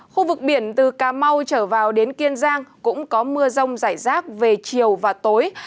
khu vực biển từ cà mau trở vào đến kiên giang cũng có mưa rông rải rác về chiều và tối